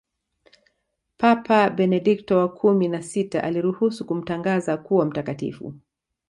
Papa Benedikto wa kumi na sita aliruhusu kumtangaza kuwa mtakatifu